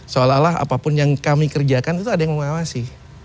seolah olah apapun yang kami kerjakan itu ada yang mengawasi